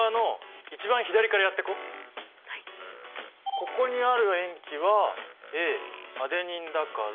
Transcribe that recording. ここにある塩基はＡアデニンだから。